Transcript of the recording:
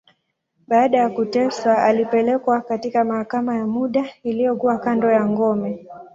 Baada ya kuteswa, alipelekwa katika mahakama ya muda, iliyokuwa kando ya ngome.